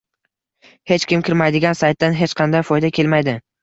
Hech kim kirmaydigan saytdan hech qanday foyda kelmaydi